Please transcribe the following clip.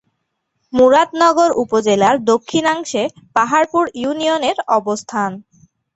মুরাদনগর উপজেলার দক্ষিণাংশে পাহাড়পুর ইউনিয়নের অবস্থান।